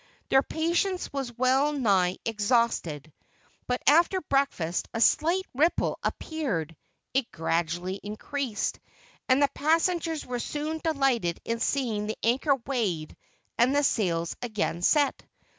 Their patience was well nigh exhausted, but after breakfast a slight ripple appeared. It gradually increased, and the passengers were soon delighted in seeing the anchor weighed and the sails again set.